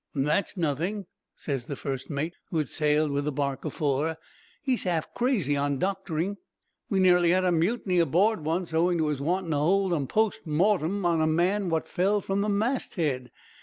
"'That's nothing,' ses the fust mate, who had sailed with the bark afore. 'He's half crazy on doctoring. We nearly had a mutiny aboard once owing to his wanting to hold a post mortem on a man what fell from the mast head.